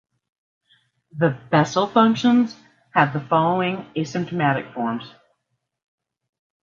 The Bessel functions have the following asymptotic forms.